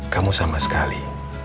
kamu sama sekali